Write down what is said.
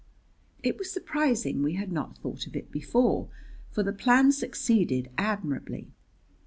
It was surprising we had not thought of it before, for the plan succeeded admirably.